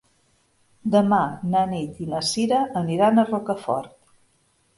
Demà na Nit i na Cira aniran a Rocafort.